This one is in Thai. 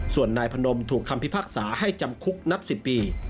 ส่วนนายพนมถูกคำพิพากษาให้จำคุกนับ๑๐ปี